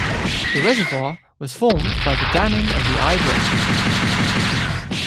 The reservoir was formed by the damming of the Eye Brook.